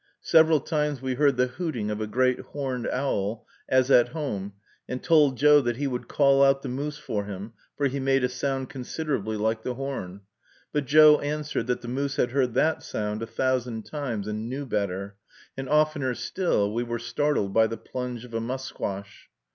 Several times we heard the hooting of a great horned owl, as at home, and told Joe that he would call out the moose for him, for he made a sound considerably like the horn; but Joe answered, that the moose had heard that sound a thousand times, and knew better; and oftener still we were startled by the plunge of a musquash.